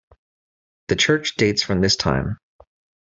The church dates from this time.